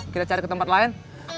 kita cari ke tempat lain